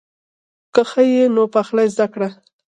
که ښه یې نو پخلی زده کړه.